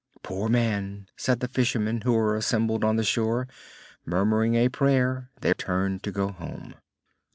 "Poor man!" said the fishermen who were assembled on the shore; murmuring a prayer, they turned to go home.